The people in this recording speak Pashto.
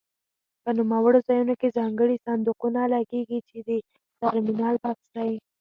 په نوموړو ځایونو کې ځانګړي صندوقونه لګېږي چې د ټرمینل بکس دی.